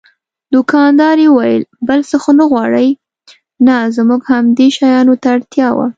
دوکاندارې وویل: بل څه خو نه غواړئ؟ نه، زموږ همدې شیانو ته اړتیا وه.